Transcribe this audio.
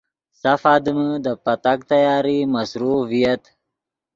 سف آدمے دے پتاک تیاری مصروف ڤییت